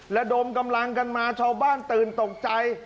ระดมกำลังกันมาชาวบ้านตื่นตกใจ